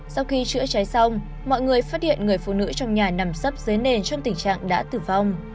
sau khi chữa cháy xong mọi người phát hiện người phụ nữ trong nhà nằm sắp dưới nền trong tình trạng đã tử vong